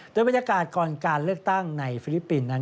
โดยบรรยากาศก่อนการเลือกตั้งในฟิลิปปินส์นั้น